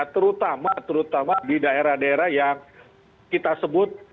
terutama di daerah daerah yang kita sebut tiga t